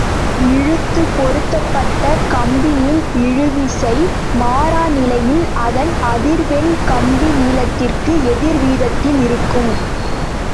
இழுத்துப் பொருத்தப்பட்ட கம்பியின் இழுவிசை மாறாநிலையில், அதன் அதிர்வெண் கம்பிநீளத்திற்கு எதிர்வீதத்தில் இருக்கும்.